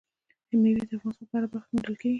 مېوې د افغانستان په هره برخه کې موندل کېږي.